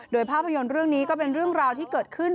โดยภาพยนตร์เรื่องนี้ก็เป็นเรื่องราวที่เกิดขึ้น